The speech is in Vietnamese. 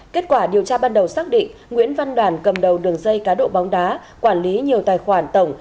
kết quả điều tra ban đầu xác định nguyễn văn đoàn cầm đầu đường dây cá độ bóng đá quản lý nhiều tài khoản tổng